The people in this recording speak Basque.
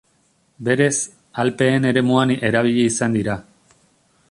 Berez, Alpeen eremuan erabili izan dira.